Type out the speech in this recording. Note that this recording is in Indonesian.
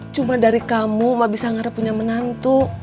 cuma dari kamu emak bisa ngarep punya menantu